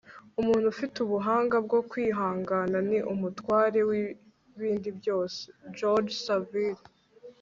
umuntu ufite ubuhanga bwo kwihangana ni umutware w'ibindi byose. - george savile